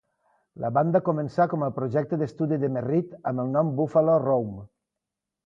La banda començà com al projecte d'estudi de Merritt, amb el nom Buffalo Rome.